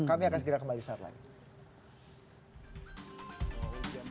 kami akan segera kembali saat lagi